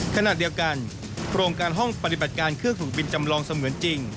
ขณะเดียวกันโครงการห้องปฏิบัติการเครื่องสูบบินจำลองเสมือนจริง